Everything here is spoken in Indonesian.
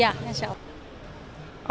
ya insya allah